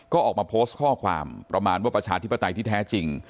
ก็ออกมาโพสต์ข้อความประมาณว่าประชาธิปไตยที่แท้จริง